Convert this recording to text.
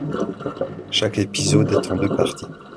Chaque épisode est en deux parties.